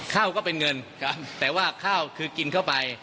ก็เป็นเงินแต่ว่าข้าวคือกินเข้าไป